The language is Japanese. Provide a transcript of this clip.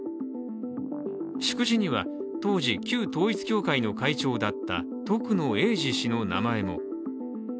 祝辞には、当時、旧統一教会の会長だった徳野英治氏の名前も。